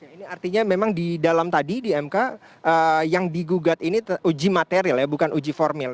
ini artinya memang di dalam tadi di mk yang digugat ini uji material ya bukan uji formil